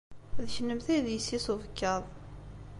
D kennemti ay d yessi-s n ubekkaḍ.